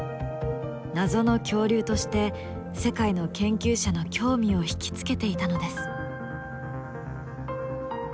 謎の恐竜として世界の研究者の興味を引き付けていたのです。